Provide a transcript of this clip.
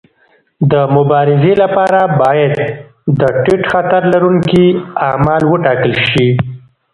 د مبارزې لپاره باید د ټیټ خطر لرونکي اعمال وټاکل شي.